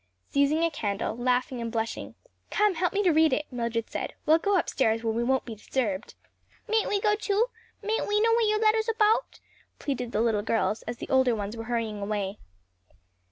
Seizing a candle, laughing and blushing, "Come, help me to read it," Mildred said. "We'll go up stairs where we won't be disturbed." "Mayn't we go too? mayn't we know what your letter's about?" pleaded the little girls as the older ones were hurrying away.